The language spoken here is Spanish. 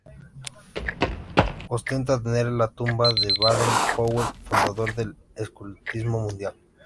Ostenta tener la tumba de Baden-Powell, fundador del escultismo mundial.